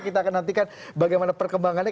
kita akan nantikan bagaimana perkembangannya